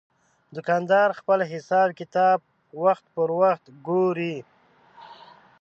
دوکاندار خپل حساب کتاب وخت پر وخت ګوري.